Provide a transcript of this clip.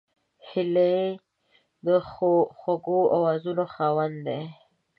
هیلۍ د خوږو آوازونو خاوند ده